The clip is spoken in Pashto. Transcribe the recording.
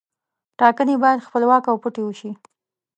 ټاکنې باید خپلواکه او پټې وشي.